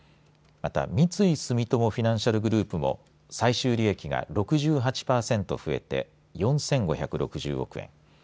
また、三井住友フィナンシャルグループも最終利益が６８パーセント増えて４５６０億円。